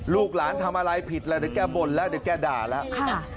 ลูกหลานทำอะไรผิดแล้วเดี๋ยวแก้บนแล้วเดี๋ยวแก้ด่าแล้ว